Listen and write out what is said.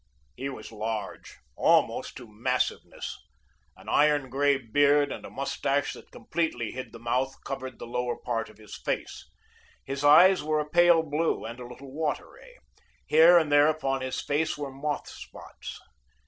He was large, almost to massiveness. An iron grey beard and a mustache that completely hid the mouth covered the lower part of his face. His eyes were a pale blue, and a little watery; here and there upon his face were moth spots.